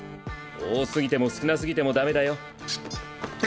多すぎても少なすぎてもダメだよ。